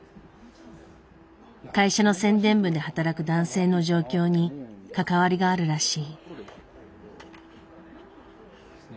会社の宣伝部で働く男性の状況に関わりがあるらしい。